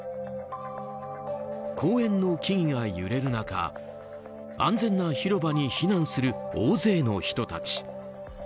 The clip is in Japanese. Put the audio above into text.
公園の木々が揺れる中安全な広場に避難する大勢の人たち。